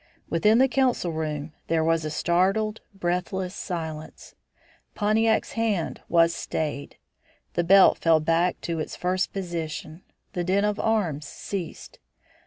Within the council room there was a startled, breathless silence. Pontiac's hand was stayed. The belt fell back to its first position. The din of arms ceased.